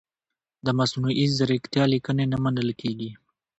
د مصنوعي ځیرکتیا لیکنې نه منل کیږي.